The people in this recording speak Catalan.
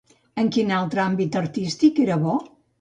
En quin altre àmbit artístic era bo?